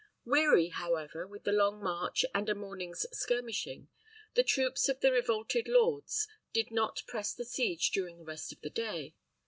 Weary, however, with the long march and a morning's skirmishing, the troops of the revolted lords did not press the siege during the rest of the day.